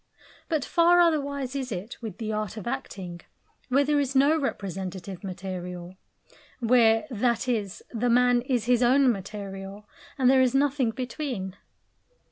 But far otherwise is it with the art of acting, where there is no representative material; where, that is, the man is his own material, and there is nothing between.